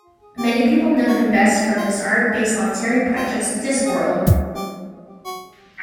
Many people know him best for his art based on Terry Pratchett's "Discworld".